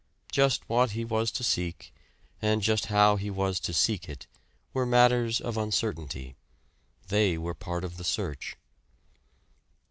Just what he was to seek, and just how he was to seek it, were matters of uncertainty they were part of the search.